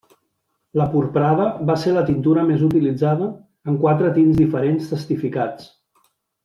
La porprada va ser la tintura més utilitzada, en quatre tints diferents testificats.